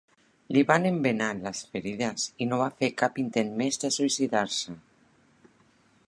Li van embenar les ferides i no va fer cap intent més de suïcidar-se.